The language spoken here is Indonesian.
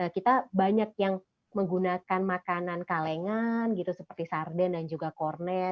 kita banyak yang menggunakan makanan kalengan gitu seperti sarden dan juga kornet